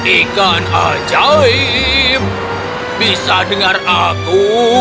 ikan ajaib bisa dengar aku